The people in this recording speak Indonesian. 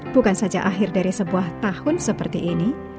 bukan saja akhir dari sebuah tahun seperti ini